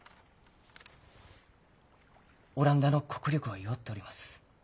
オランダの国力は弱っとります。